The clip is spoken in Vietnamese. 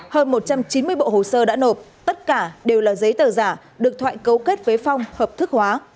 hơn một trăm chín mươi bộ hồ sơ đã nộp tất cả đều là giấy tờ giả được thoại cấu kết với phong hợp thức hóa